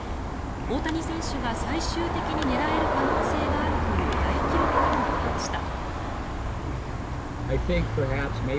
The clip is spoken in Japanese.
大谷選手が最終的に狙える可能性があるという大記録にも触れました。